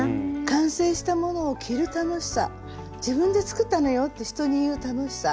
完成したものを着る楽しさ「自分で作ったのよ」って人に言う楽しさ。